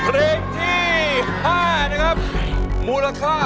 ร้องได้ร้องได้ร้องได้